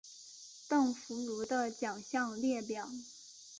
邓福如的奖项列表